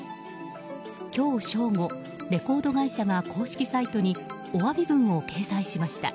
今日正午、レコード会社が公式サイトにお詫び文を掲載しました。